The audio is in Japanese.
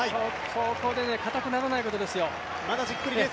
ここで硬くならないことですよ。